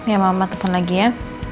ya mama telepon lagi ya